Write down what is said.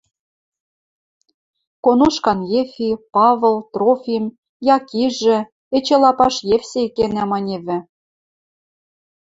Конушкан Ефи, Павыл, Трофим, Якижӹ, эче Лапаш Евсей, кенӓ, маневӹ.